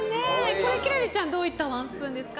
これ、輝星ちゃんどういったワンスプーンですか。